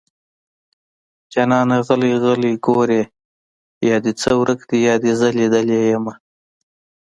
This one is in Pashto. جانانه غلی غلی ګورې يا دې څه ورک دي يا دې زه ليدلې يمه